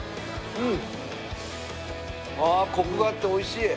うん。